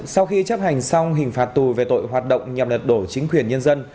sau khi chấp hành xong hình phạt tù về tội hoạt động nhằm lật đổ chính quyền nhân dân